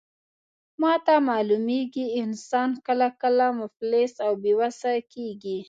ماته معلومیږي، انسان کله کله مفلس او بې وسه کیږي.